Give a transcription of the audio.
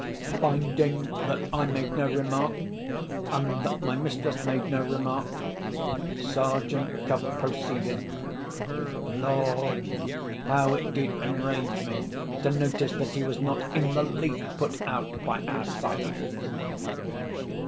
Finding that I made no remark, and that my mistress made no remark, Sergeant Cuff proceeded. Lord! how it did enrage me to notice that he was not in the least put out by our silence!